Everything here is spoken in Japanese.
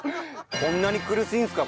こんなに苦しいんですか？